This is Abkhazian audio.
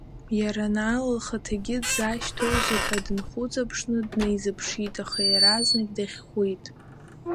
Иара Наала лхаҭагьы сзашьҭоузеи ҳәа дынхәыҵаԥшны днаизыԥшит, аха иаразнак дахьхәит…